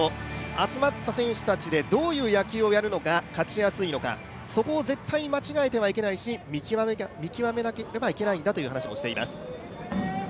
集まった選手たちでどういう野球をやるのが勝ちやすいのかそこを絶対に間違えてはいけないし、見極めなければいけないんだという話もしています。